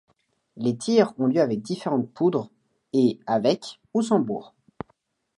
Les tirs ont lieu avec différentes poudres et avec ou sans bourre.